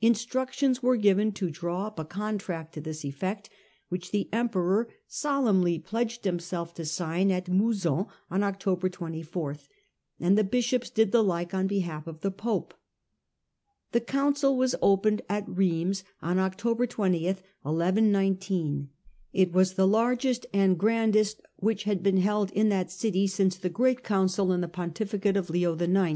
Instruc tions were given to draw up a contract to this effect, which the emperor solemnly pledged himself to sign at Mouzon on October 24, and the bishops did the like on behalf of the pope. The council was opened at Eeims on October 20. It was the largest and grandest which had been held CouncUof ^^*^^^ ^^^y since the great council in the Beims, 1119 pontificate of Leo IX.